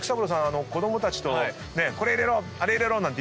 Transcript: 子供たちとこれ入れろあれ入れろなんて言いながら。